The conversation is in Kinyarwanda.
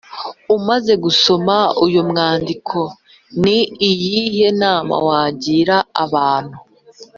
umaze gusoma uyu mwandiko ni iyihe nama wagira abantu